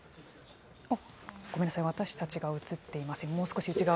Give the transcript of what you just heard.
ごめんなさい、私たちが映っていません。